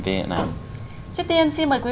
vì vậy đó có nghĩa là